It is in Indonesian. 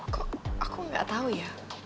kok aku gak tau ya